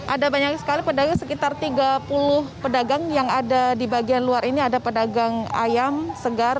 ada banyak sekali pedagang sekitar tiga puluh pedagang yang ada di bagian luar ini ada pedagang ayam segar